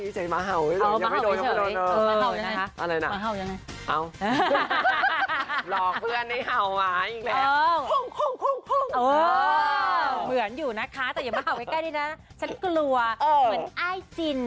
ฉันกลัวเหมือนอ้ายจินเหมือนเอ้ยจิน